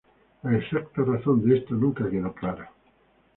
La exacta razón de esto nunca quedó clara.